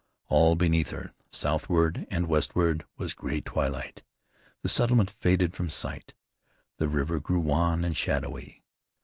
All beneath her, southward and westward was gray twilight. The settlement faded from sight; the river grew wan and shadowy.